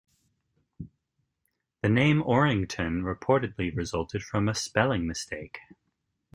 The name "Orrington" reportedly resulted from a spelling mistake.